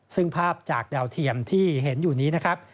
ซึ่งภาพจากดาวเทียมที่เห็นอยู่นี้นะครับ